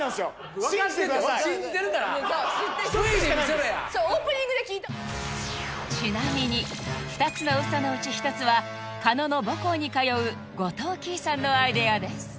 分かってんねん信じてるからちなみに２つのウソのうち１つは狩野の母校に通う後藤希依さんのアイデアです